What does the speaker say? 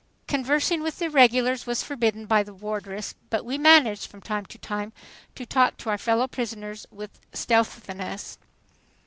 Conversing with the "regulars" was forbidden by the wardress, but we managed, from time to time, to talk to our fellow prisoners with stealthiness.